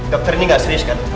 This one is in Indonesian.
dokter ini gak serius kan